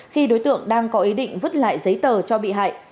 khi đối tượng đang có ý định vứt lại giấy tờ cho bị hại